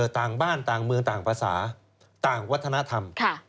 ต่างบ้านต่างเมืองต่างภาษาต่างวัฒนธรรม